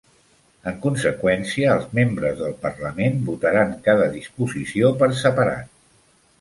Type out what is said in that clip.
En conseqüència, els membres del parlament votaran cada disposició per separat.